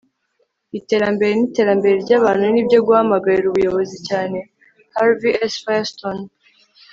iterambere n'iterambere ry'abantu ni byo guhamagarira ubuyobozi cyane. - harvey s. firestone